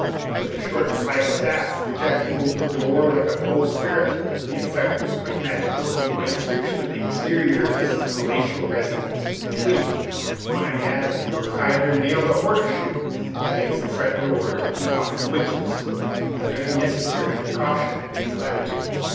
With a short flag staff projecting over the door like a bowsprit, the effect was quite magical. My description of the exterior of this palatial residence is complete when I add that the proprietor nailed a horseshoe against the front door to keep off the witches a very necessary precaution in these latitudes.